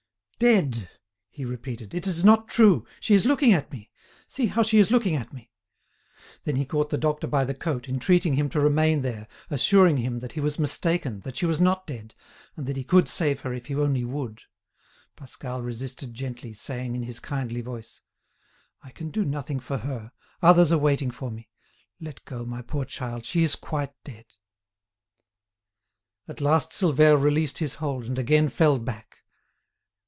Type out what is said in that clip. Dead!" he repeated; "it is not true, she is looking at me. See how she is looking at me!" Then he caught the doctor by the coat, entreating him to remain there, assuring him that he was mistaken, that she was not dead, and that he could save her if he only would. Pascal resisted gently, saying, in his kindly voice: "I can do nothing for her, others are waiting for me. Let go, my poor child; she is quite dead." At last Silvère released his hold and again fell back.